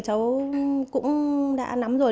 cháu cũng đã nắm rồi